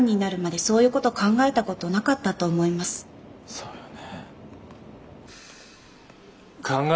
そうよね。